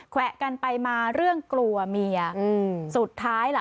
แวะกันไปมาเรื่องกลัวเมียอืมสุดท้ายล่ะ